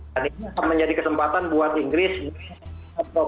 jadi ini akan menjadi kesempatan buat inggris untuk menang